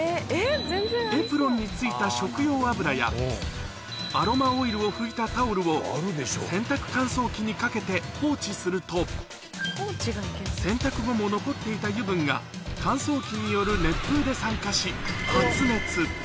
エプロンについた食用油や、アロマオイルを拭いたタオルを、洗濯乾燥機にかけて放置すると、洗濯後も残っていた油分が、乾燥機による熱風で酸化し、発熱。